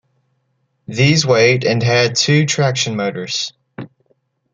These weighed and had two traction motors.